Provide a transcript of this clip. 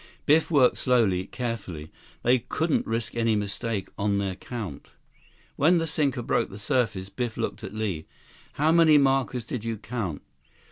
Biff worked slowly, carefully. They couldn't risk any mistakes in their count. 139 When the sinker broke the surface, Biff looked at Li. "How many markers did you count?"